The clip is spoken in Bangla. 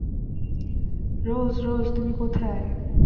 রোজ, রোজ, তুমি কোথায়?